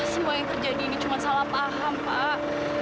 semua yang terjadi ini cuma salah paham pak